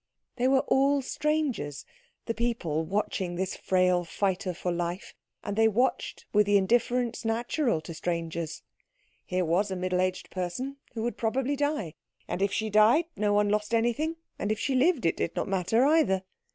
They were all strangers, the people watching this frail fighter for life, and they watched with the indifference natural to strangers. Here was a middle aged person who would probably die; if she died no one lost anything, and if she lived it did not matter either.